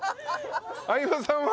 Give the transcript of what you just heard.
相葉さんは？